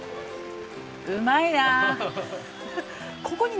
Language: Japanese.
うまいな。